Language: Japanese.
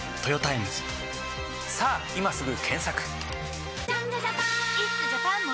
さぁ今すぐ検索！